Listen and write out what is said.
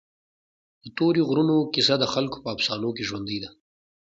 د تورې غرونو کیسه د خلکو په افسانو کې ژوندۍ ده.